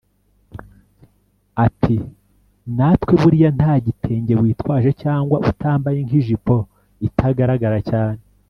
Ati”Natwe buriya nta gitenge witwaje cyangwa utambaye nk’ijipo itagaragara cyane